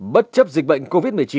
bất chấp dịch bệnh covid một mươi chín